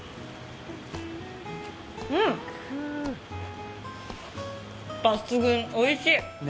うん、抜群、おいしい！